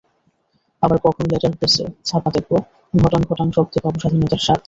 আবার কখন লেটার প্রেসে ছাপা দেখব, ঘটাং ঘটাং শব্দে পাব স্বাধীনতার স্বাদ।